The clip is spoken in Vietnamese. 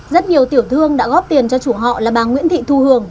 rất nhiều tiểu thương đã góp tiền cho chủ họ là bà nguyễn thị thu hường